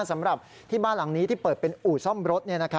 สำหรับที่บ้านหลังนี้ที่เปิดเป็นอู่ซ่อมรถ